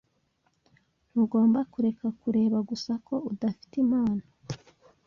Ntugomba kureka kubera gusa ko udafite impano.